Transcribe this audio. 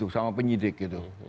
sama penyidik gitu